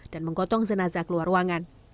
dan menggotong jenazah keluar ruangan